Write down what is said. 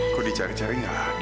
kok dicari cari gak ada